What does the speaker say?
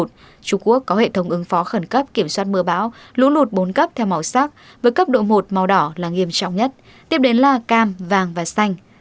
trung quốc có hệ thống ứng phó khẩn cấp kiểm soát mưa bão lũ lụt bốn cấp theo màu sắc với cấp độ một màu đỏ là nghiêm trọng nhất tiếp đến là cam vàng và xanh